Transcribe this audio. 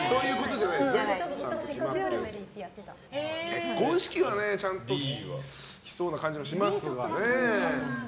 結婚式はちゃんと来そうな感じしますけどね。